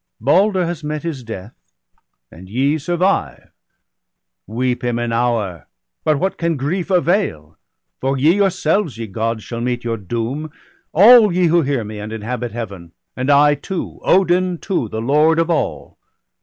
Balder has met his death, and ye survive — Weep him an hour, but what can grief avail ? For ye yourselves, ye Gods, shall meet your doom. All ye who hear me, and inhabit Heaven, And I too, Odin too, the Lord of all.